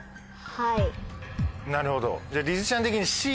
はい。